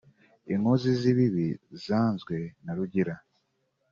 inkozi z’ibibi zanzwe na Rugira